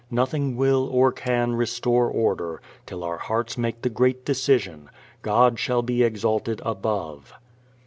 Nothing will or can restore order till our hearts make the great decision: God shall be exalted above.